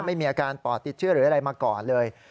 ไม่มีอาการปอดติดเชื้อหรืออะไรมาก่อนเลย